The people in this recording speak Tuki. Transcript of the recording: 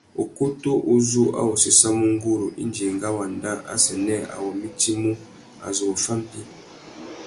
Ukutu uzú a wô séssamú nguru indi enga wandá assênē a wô mitimú a zu wô fá mpí.